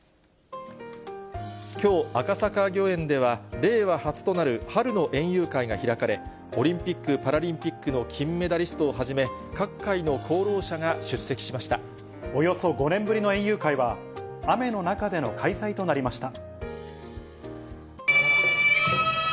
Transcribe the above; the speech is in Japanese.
きょう、赤坂御苑では令和初となる春の園遊会が開かれ、オリンピック・パラリンピックの金メダリストをはじめ、およそ５年ぶりの園遊会は、雨の中での開催となりました。